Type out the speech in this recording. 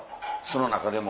その中でも。